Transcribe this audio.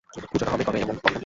পুজোটা হবে কবে এবং কখন?